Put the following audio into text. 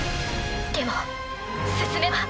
でも進めば。